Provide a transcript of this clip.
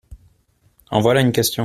En voilà une question !